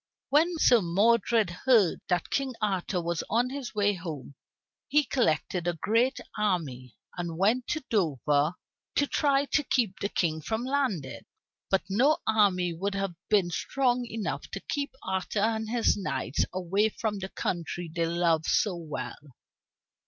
When Sir Modred heard that King Arthur was on his way home, he collected a great army and went to Dover to try to keep the King from landing. But no army would have been strong enough to keep Arthur and his knights away from the country they loved so well.